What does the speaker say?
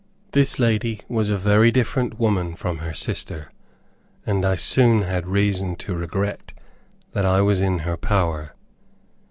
This lady was a very different woman from her sister, and I soon had reason to regret that I was in her power.